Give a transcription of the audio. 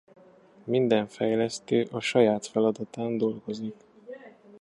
Minden fejlesztő a saját feladatán dolgozik.